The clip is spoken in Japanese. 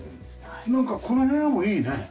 なんかこの部屋もいいね。